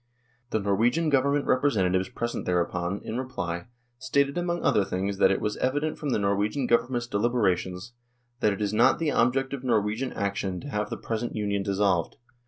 The Norwegian Government representatives present thereupon, in reply, stated among other things that it was evident from the Norwegian Government's deliberations " that it is not the object of Norwegian action to have the present Union dissolved.